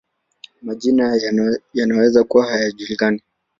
Majina ya wenzake hayajulikani.